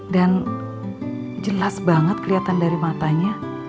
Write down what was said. dan jelas banget keliatan dari mata dia